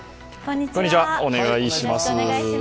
お願いします。